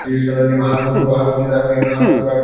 হ্যাঁ, আমিও পড়বো।